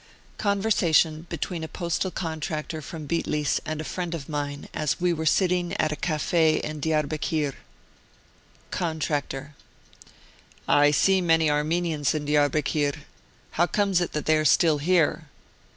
CONVERSATION between a postal contractor from Bitlis and a friend of mine, as we were sitting at a cafe in Diarbekir : Contractor : I see many Armenians in Diarbekir. How comes it that they are still here